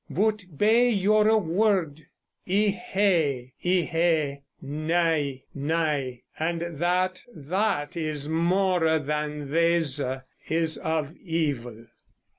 but be youre worde, yhe, yhe; nay, nay; and that that is more than these, is of yvel....